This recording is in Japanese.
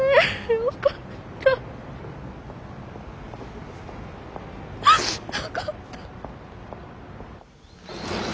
よかった。